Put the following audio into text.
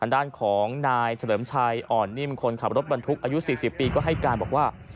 ด้านของนายเฉลิมชัยอ่อนนิ่มคนขับรถบรรทุกอายุ๔๐ปีก็ให้การบอกว่า